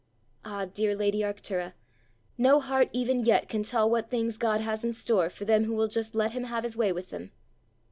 Ah, dear lady Arctura! no heart even yet can tell what things God has in store for them who will just let him have his way with them.